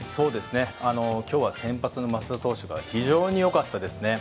今日は先発の増田投手が非常に良かったですね。